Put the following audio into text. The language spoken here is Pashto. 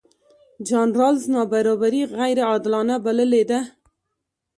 جان رالز نابرابري غیرعادلانه بللې ده.